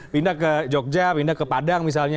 pindah ke jogja pindah ke padang misalnya